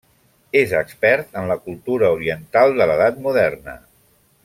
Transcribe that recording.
És expert en la cultura oriental de l'Edat Moderna.